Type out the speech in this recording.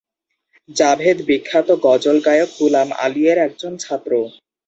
জাভেদ বিখ্যাত গজল গায়ক গুলাম আলী এর একজন ছাত্র।